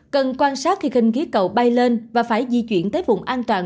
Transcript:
cần quan sát khi kinh khí cầu bay lên và phải di chuyển tới vùng an toàn